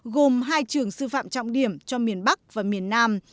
gồm hai trường sư phạm trọng điểm cho miền bắc và miền nam